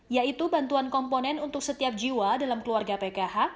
yaitu bantuan komponen untuk setiap jiwa dalam keluarga pkh